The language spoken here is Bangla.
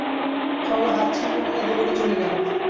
সরলা হাত ছিনিয়ে নিয়ে দৌড়ে চলে গেল।